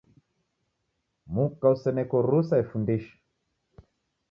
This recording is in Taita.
Muka useneko rusa efundisha